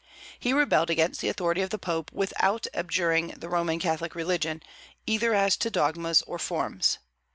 He rebelled against the authority of the Pope, without abjuring the Roman Catholic religion, either as to dogmas or forms.